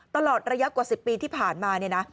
ตลอดระยะกว่า๑๐ปีที่ผ่านมาเนี่ยนะ